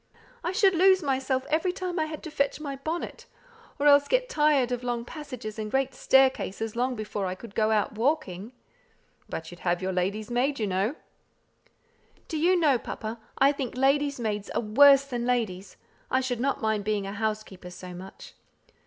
"I should lose myself every time I had to fetch my bonnet, or else get tired of long passages and great staircases long before I could go out walking." "But you'd have your lady's maid, you know." "Do you know, papa, I think lady's maids are worse than ladies. I should not mind being a housekeeper so much."